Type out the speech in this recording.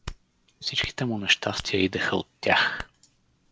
Всичките му нещастия идеха от тях.